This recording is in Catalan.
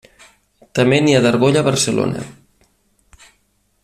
També n'hi ha d'argolla a Barcelona.